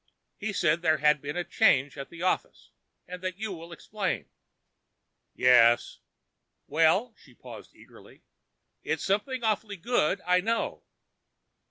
He says there has been a change at the office and that you will explain." "Yes." "Well——?" She paused eagerly. "It's something awfully good—I know."